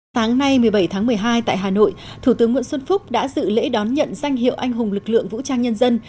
sáng nay một mươi bảy tháng một mươi hai tại hà nội thủ tướng nguyễn xuân phúc đã dự lễ đón nhận danh hiệu anh hùng lực lượng vũ trang nhân dân